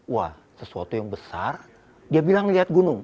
wah sesuatu yang besar dia bilang lihat gunung